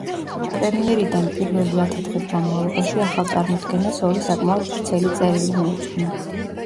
პრემიერიდან პირველი ათი დღის განმავლობაში ახალ წარმოდგენას ორი საკმაოდ ვრცელი წერილი მიუძღვნა.